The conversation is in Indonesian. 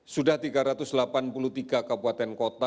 sudah tiga ratus delapan puluh tiga kabupaten kota